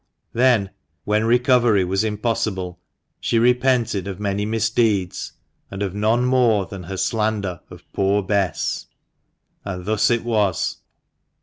Then, when recovery was impossible, she repented of many misdeeds, and of none more than her slander of poor Bess. And thus it was.